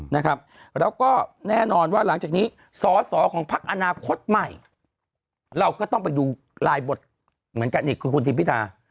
นะครับแล้วก็แน่นอนว่าหลังจากนี้สอสอของพักอนาคตใหม่เราก็ต้องไปดูลายบทเหมือนกันนี่คือคุณทิมพิธา